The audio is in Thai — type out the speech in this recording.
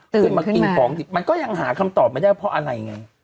ขึ้นมากินของดิบมันก็ยังหาคำตอบไม่ได้เพราะอะไรไง